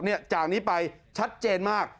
จากนี้ไปชัดเจนมาก